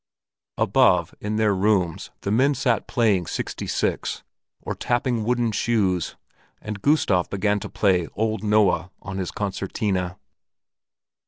Above, in their rooms the men sat playing "Sixty six," or tipping wooden shoes, and Gustav began to play "Old Noah" on his concertina.